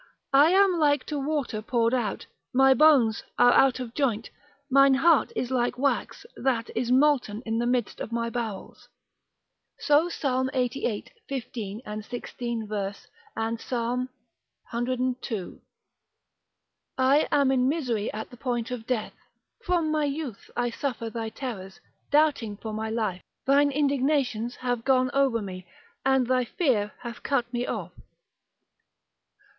I am like to water poured out, my bones are out of joint, mine heart is like wax, that is molten in the midst of my bowels. So Psalm lxxxviii. 15 and 16 vers. and Psalm cii. I am in misery at the point of death, from my youth I suffer thy terrors, doubting for my life; thine indignations have gone over me, and thy fear hath cut me off.